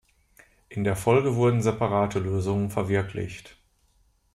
In der Folge wurden separate Lösungen verwirklicht.